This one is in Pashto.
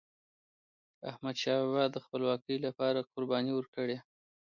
احمدشاه بابا د خپلواکی لپاره قرباني ورکړې.